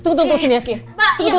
tunggu tunggu sini ya ki